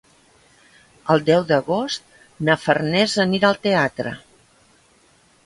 El deu d'agost na Farners anirà al teatre.